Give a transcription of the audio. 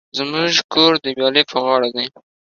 زموژ کور د ویالی په غاړه دی